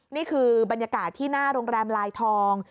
นี่คือบรรยากาศที่หน้าโรงแรมลายทอง